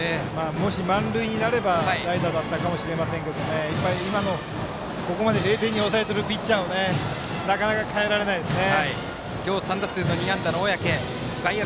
もし満塁になれば代打だったかもしれませんがここまで０点に抑えているピッチャーをなかなか代えられないですね。